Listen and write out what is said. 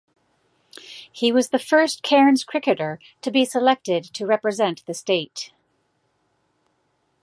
He was the first Cairns cricketer to be selected to represent the State.